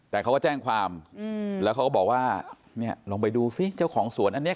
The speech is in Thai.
แต่เขาก็แจ้งความแล้วเขาก็บอกว่าเนี่ยลองไปดูซิเจ้าของสวนอันนี้